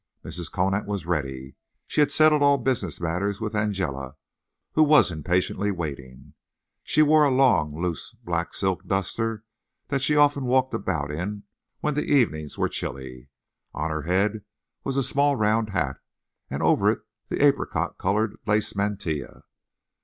Mrs. Conant was ready. She had settled all business matters with Angela, and was impatiently waiting. She wore a long, loose black silk duster that she often walked about in when the evenings were chilly. On her head was a small round hat, and over it the apricot coloured lace mantilla.